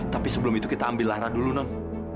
tapi sebelum itu kita ambil lara dulu non